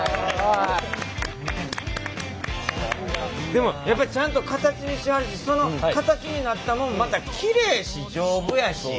でもやっぱりちゃんと形にしはるしその形になったもんまたきれいし丈夫やし。